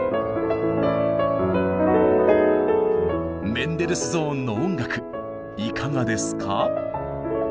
メンデルスゾーンの音楽いかがですか？